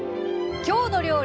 「きょうの料理」